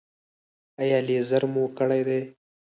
ایا لیزر مو کړی دی؟